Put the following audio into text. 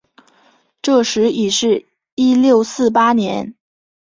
这时已是一六四八年。